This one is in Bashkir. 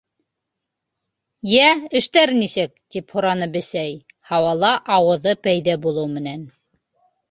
— Йә, эштәр нисек? — тип һораны Бесәй, һауала ауыҙы пәйҙә булыу менән.